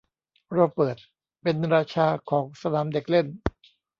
โรเบิร์ตเป็นราชาของสนามเด็กเล่น